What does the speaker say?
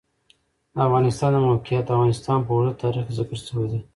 د افغانستان د موقعیت د افغانستان په اوږده تاریخ کې ذکر شوی دی.